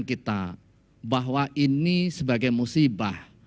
kita bahwa ini sebagai musibah